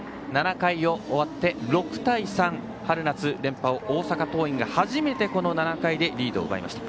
７回終わって、６対３と春夏連覇の大阪桐蔭が初めてこの回リードを奪いました。